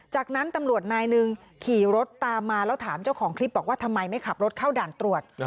จากนั้นตำรวจนายหนึ่งขี่รถตามมาแล้วถามเจ้าของคลิปบอกว่าทำไมไม่ขับรถเข้าด่านตรวจ